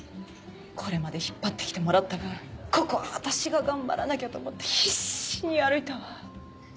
これまで引っ張って来てもらった分ここは私が頑張らなきゃと思って必死に歩いたわ。